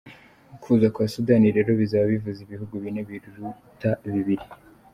Kuza kwa Sudani rero bizaba bivuze ibihugu bine biruta bibiri.